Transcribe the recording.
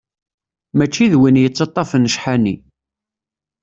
Mačči d win yettaṭṭafen ccḥani.